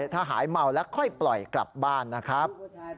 ถ้าหายเมาแล้วค่อยปล่อยกลับบ้านนะครับ